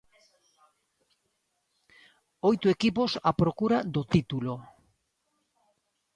Oito equipos á procura do título.